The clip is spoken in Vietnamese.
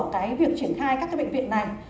cái việc triển khai các cái bệnh viện này